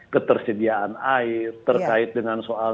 ketersediaan air terkait dengan soal